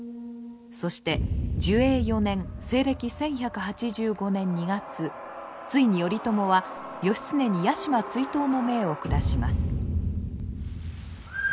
そして寿永４年西暦１１８５年２月ついに頼朝は義経に屋島追討の命を下します。